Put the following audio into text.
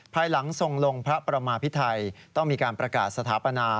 ภายหลังทรงลงพระประมาพิไทยต้องมีการประกาศสถาปนา